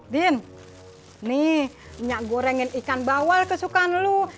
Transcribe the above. din nih minyak gorengin ikan bawal kesukaan lu